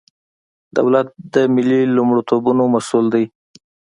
دولت د ملي لومړیتوبونو مسئول دی.